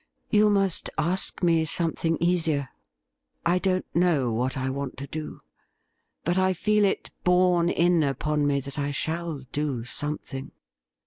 "You must ask me something easier, I don't know what I want to do, but I feel it borne in upon me that I shall do something.'